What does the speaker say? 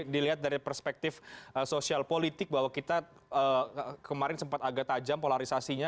dilihat dari perspektif sosial politik bahwa kita kemarin sempat agak tajam polarisasinya